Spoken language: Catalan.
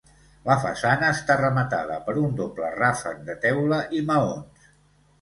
La façana està rematada per un doble ràfec de teula i maons.